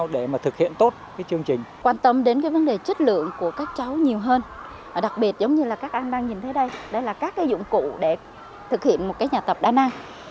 đặc biệt giống như các anh đang nhìn thấy đây đây là các dụng cụ để thực hiện một nhà tập đa năng